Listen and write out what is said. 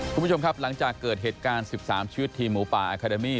คุณผู้ชมครับหลังจากเกิดเหตุการณ์๑๓ชีวิตทีมหมูป่าอาคาเดมี่